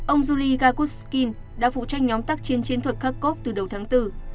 ông zuligarushkin đã phụ trách nhóm tác chiến chiến thuật kharkov từ đầu tháng bốn